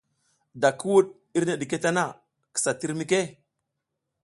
Da ki wuɗ irne ɗike tana, kisa tir mike.